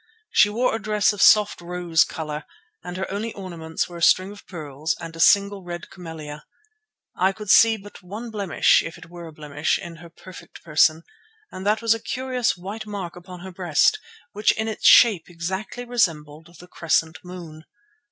She wore a dress of soft rose colour, and her only ornaments were a string of pearls and a single red camellia. I could see but one blemish, if it were a blemish, in her perfect person, and that was a curious white mark upon her breast, which in its shape exactly resembled the crescent moon.